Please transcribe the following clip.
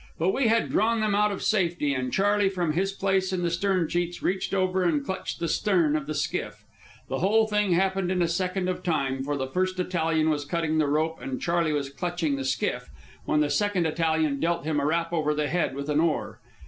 But we had drawn them out of safety, and Charley, from his place in the stern sheets, reached over and clutched the stern of the skiff. The whole thing happened in a second of time, for the first Italian was cutting the rope and Charley was clutching the skiff, when the second Italian dealt him a rap over the head with an oar.